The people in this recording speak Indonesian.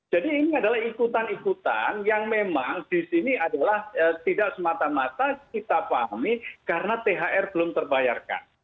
jadi ini adalah ikutan ikutan yang memang di sini adalah tidak semata mata kita pahami karena thr belum terbayarkan